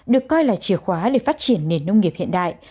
được coi là chìa khóa để phát triển nền nông nghiệp hiện đại